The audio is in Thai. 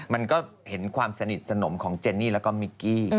มันก็เห็นความสนิทสนมของเจนนี่แล้วก็มิกกี้